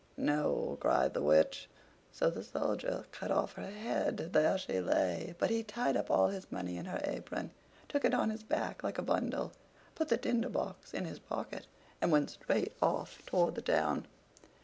"No!" cried the Witch. So the Soldier cut off her head. There she lay! But he tied up all his money in her apron, took it on his back like a bundle, put the Tinder box in his pocket, and went straight off toward the town.